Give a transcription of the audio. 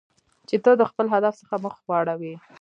چې ته د خپل هدف څخه مخ واړوی.